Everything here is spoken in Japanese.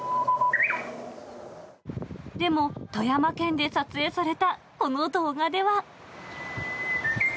でも富山県で撮影されたこの動画では。